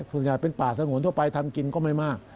ส่วนใหญ่เป็นป่าสงวนทั่วไปทำกินก็ไม่มาก